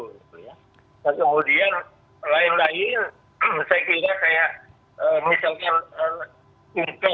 dan kemudian lain lain saya kira saya misalkan kumker